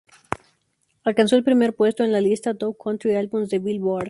Alcanzó el primer puesto en la lista "Top Country Albums" de "Billboard".